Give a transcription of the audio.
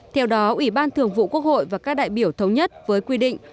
theo đó ủy ban thường vụ quốc hội và các đại biểu thống nhất với quy định